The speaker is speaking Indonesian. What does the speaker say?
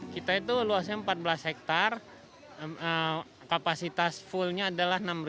kita itu luasnya empat belas hektare kapasitas fullnya adalah enam ratus